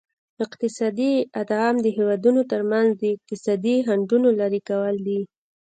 اقتصادي ادغام د هیوادونو ترمنځ د اقتصادي خنډونو لرې کول دي